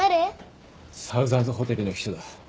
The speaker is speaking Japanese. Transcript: サウザンズホテルの人だ。